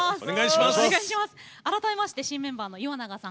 改めまして、新メンバーの岩永さん